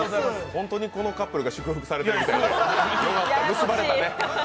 本当にこのカップルが祝福されてるみたい、よかったね。